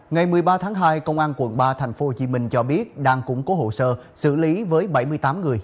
ngày một mươi ba tháng hai công an quận ba tp hcm cho biết đang củng cố hồ sơ xử lý với bảy mươi tám người